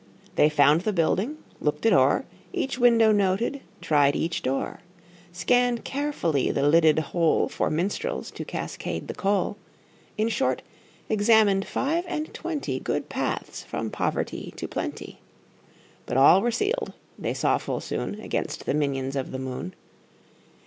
They found the building, looked it o'er, Each window noted, tried each door, Scanned carefully the lidded hole For minstrels to cascade the coal In short, examined five and twenty Good paths from poverty to plenty. But all were sealed, they saw full soon, Against the minions of the moon.